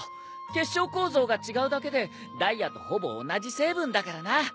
結晶構造が違うだけでダイヤとほぼ同じ成分だからな。